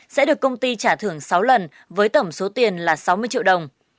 sẽ được công ty trả thưởng sáu lần với tổng số tiền là sáu mươi triệu đồng